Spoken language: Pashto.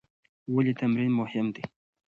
ولې تمرین مهم دی؟